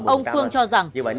ông phương cho rằng